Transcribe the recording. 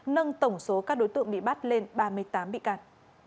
nâng tổng số các đối tượng bị bắt lên ba mươi tám bị can